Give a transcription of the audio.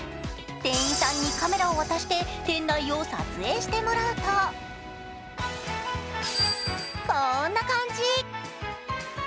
店員さんにカメラを渡して店内を撮影してもらうと、こんな感じ。